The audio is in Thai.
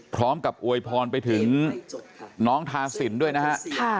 พร้อมกับอวยพรไปถึงน้องท่าสินด้วยนะฮะ